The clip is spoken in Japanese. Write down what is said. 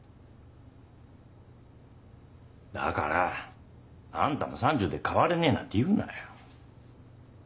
だからあんたも３０で変われねえなんて言うなよ。